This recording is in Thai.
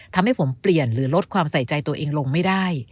ทำให้ผมเปลี่ยนหรือลดความใส่ใจตัวเองลงไม่ได้